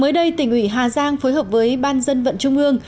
mới đây tỉnh ủy hà giang phối hợp với ban dân vận trung ương